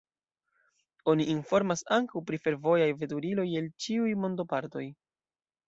Oni informas ankaŭ pri fervojaj veturiloj el ĉiuj mondopartoj.